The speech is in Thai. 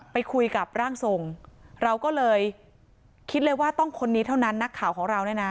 ไปคุยกับร่างทรงเราก็เลยคิดเลยว่าต้องคนนี้เท่านั้นนักข่าวของเราเนี่ยนะ